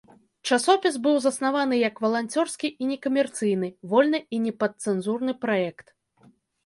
Часопіс быў заснаваны як валанцёрскі і некамерцыйны, вольны і непадцэнзурны праект.